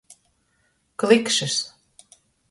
Klikšys.